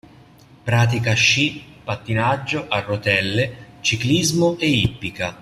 Pratica sci, pattinaggio a rotelle, ciclismo e ippica.